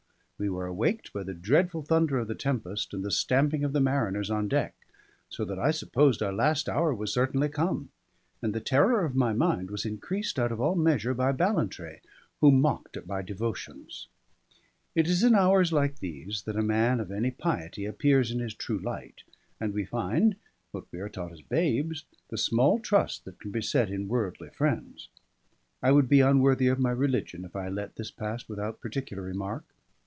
We were awaked by the dreadful thunder of the tempest and the stamping of the mariners on deck; so that I supposed our last hour was certainly come; and the terror of my mind was increased out of all measure by Ballantrae, who mocked at my devotions. It is in hours like these that a man of any piety appears in his true light, and we find (what we are taught as babes) the small trust that can be set in worldly friends: I would be unworthy of my religion if I let this pass without particular remark.